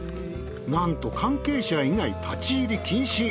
なんと関係者以外立ち入り禁止。